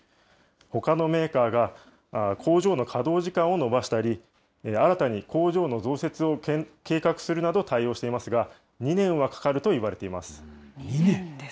ほかのメーカーが工場の稼働時間を延ばしたり、新たに工場の増設を計画するなど対応していますが、２年はかかるといわれています。